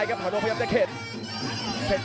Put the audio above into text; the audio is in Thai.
ยับได้สอกซ้าย